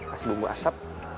kasih bumbu asap